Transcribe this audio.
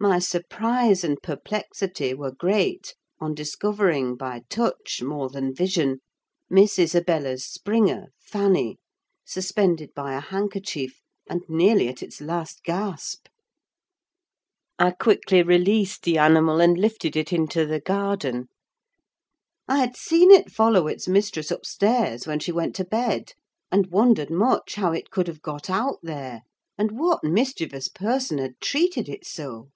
My surprise and perplexity were great on discovering, by touch more than vision, Miss Isabella's springer, Fanny, suspended by a handkerchief, and nearly at its last gasp. I quickly released the animal, and lifted it into the garden. I had seen it follow its mistress upstairs when she went to bed; and wondered much how it could have got out there, and what mischievous person had treated it so.